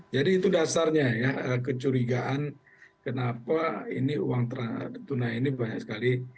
itu dasarnya ya kecurigaan kenapa ini uang tunai ini banyak sekali